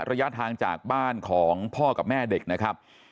ระยะทางจากบ้านของพ่อกับแม่เด็กนะครับ